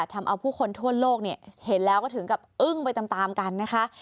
ทำเอาผู้คนทั่วโลกเนี่ยเห็นแล้วก็ถึงกับอึ้งไปตามกันนะคะ